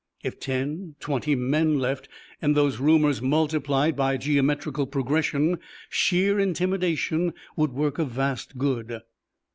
If ten, twenty men left and those rumours multiplied by geometrical progression, sheer intimidation would work a vast good.